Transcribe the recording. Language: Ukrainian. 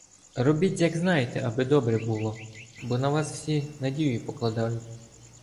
Робіть як знаєте, аби добре було, бо на вас всі надію покладають".